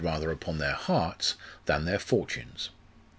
rather upon their hearts than their fortunes.